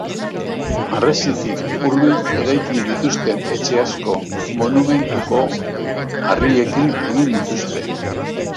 Harresitik hurbil eraiki dituzten etxe asko, monumentuko harriekin egin dituzte.